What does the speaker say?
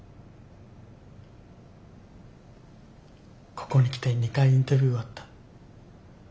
ここに来て２回インタビューあった。